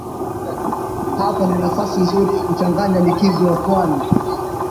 Hapa ni nafasi nzuri ya kuchanganya likizo ya pwani